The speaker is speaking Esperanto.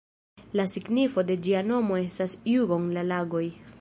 La signifo de ĝia nomo estas "Jugon"-la-lagoj.